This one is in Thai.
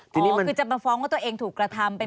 ทีนี้ก็คือจะมาฟ้องว่าตัวเองถูกกระทำ